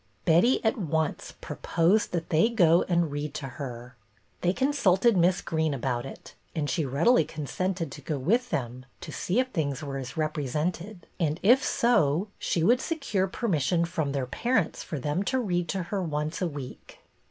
Betty at once proposed that they go and read to her. They consulted Miss Greene about it, and she readily consented to go with them to see if things were as represented, and, if so, she would secure 23en'nission from their parents for them to read to her once a week.